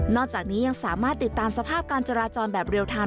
จากนี้ยังสามารถติดตามสภาพการจราจรแบบเรียลทัน